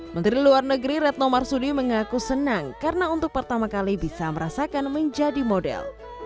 menteri luar negeri retno marsudi mengaku senang karena untuk pertama kali bisa merasakan menjadi model